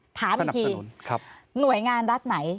สนับสนุนครับถามอีกทีหน่วยงานรัฐไหน